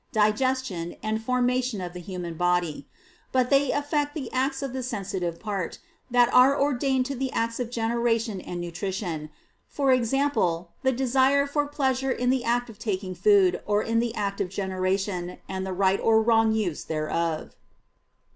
digestion, and formation of the human body; but they affect the acts of the sensitive part, that are ordained to the acts of generation and nutrition; for example the desire for pleasure in the act of taking food or in the act of generation, and the right or wrong use thereof.